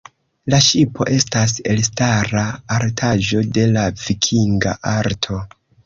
La ŝipo estas elstara artaĵo de la vikinga arto.